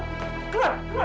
keluar kamu keluar